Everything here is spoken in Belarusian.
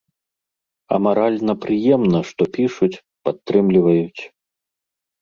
А маральна прыемна, што пішуць, падтрымліваюць.